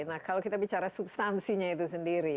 nah kalau kita bicara substansinya itu sendiri